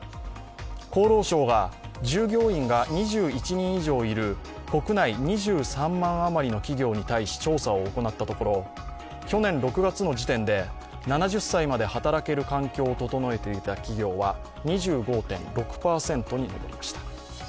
厚労省が従業員が２１人以上いる国内２３万余りの企業に対し調査を行ったところ去年６月の時点で７０歳まで働ける環境を整えていた企業は２５．６％に上りました。